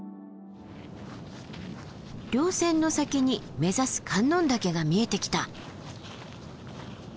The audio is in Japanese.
稜線の先に目指す観音岳が見えてきた。